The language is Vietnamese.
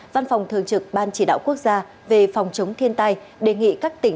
văn phòng thường trực ban chỉ đạo quốc gia về phòng chống thiên tai đề nghị các tỉnh